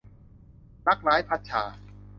รักร้าย - พัดชา